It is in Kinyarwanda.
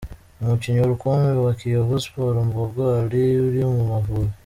Umukinnyi rukumbi wa Kiyovu sports Mbogo Ally uri mu Amavubi